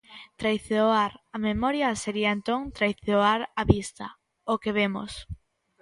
Traizoar a memoria sería entón traizoar a vista, o que vemos.